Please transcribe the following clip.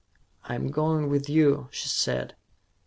"I'm going with you," she said.